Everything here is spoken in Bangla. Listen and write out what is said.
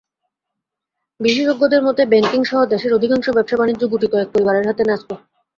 বিশেষজ্ঞদের মতে, ব্যাংকিংসহ দেশের অধিকাংশ ব্যবসা বাণিজ্য গুটিকয়েক পরিবারের হাতে ন্যস্ত।